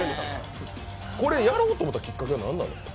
やろうと思ったきっかけは何なんですか？